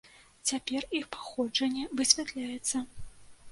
Цяпер іх паходжанне высвятляецца.